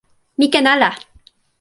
mi ken ala!